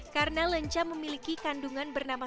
karena lenca memiliki kandungan bernama